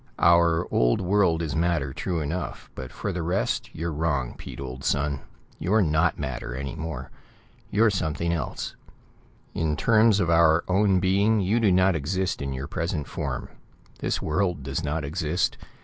"Our old world is matter, true enough, but for the rest, you're wrong, Pete, old son. You're not matter, any more. You're something else. In terms of our own being, you do not exist in your present form. This world does not exist.